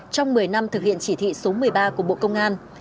trong một mươi năm thực hiện chỉ thị số một mươi ba của bộ công an